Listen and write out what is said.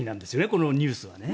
このニュースはね。